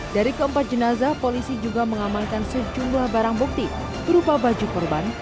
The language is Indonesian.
dari keempat jenazah polisi juga mengamankan sejumlah barang bukti berupa baju korban